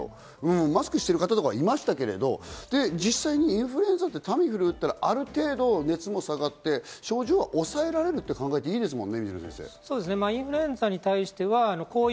マスクしたりしてる方はいましたけれど、実際にインフルエンザってタミフル打ったら、ある程度症状は抑えられると考えていいですもんね。